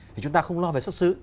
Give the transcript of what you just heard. thì chúng ta không lo về xuất xứ